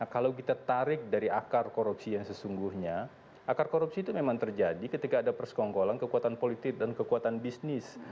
kalau kita tarik dari akar korupsi yang sesungguhnya akar korupsi itu memang terjadi ketika ada persekongkolan kekuatan politik dan kekuatan bisnis